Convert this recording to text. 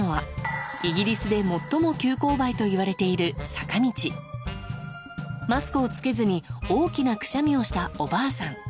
作品が描かれたのはマスクを付けずに大きなくしゃみをしたおばあさん